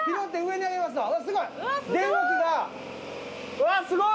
うわすごい！